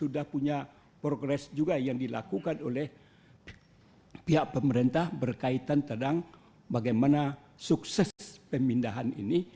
sudah punya progres juga yang dilakukan oleh pihak pemerintah berkaitan tentang bagaimana sukses pemindahan ini